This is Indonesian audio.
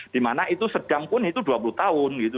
dimana itu sedang pun itu dua puluh tahun gitu